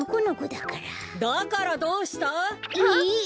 だからどうした？あっ！え？